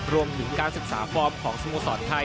รวมถึงการศึกษาฟอร์มของสโมสรไทย